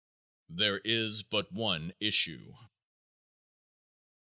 _There Is But One Issue.